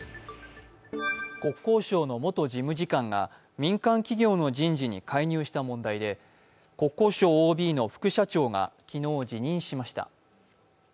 国交省の元事務次官が民間企業の人事に介入した問題で国交省ＯＢの副社長が昨日辞任しました。